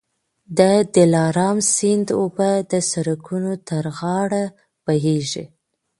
د دلارام سیند اوبه د سړکونو تر غاړه بهېږي.